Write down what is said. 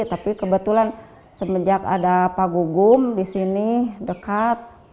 tapi kebetulan semenjak ada pak gugum di sini dekat